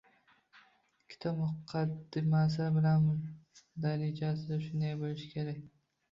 Kitob muqaddimasi bilan mundarijasi shunday bo‘lishi kerak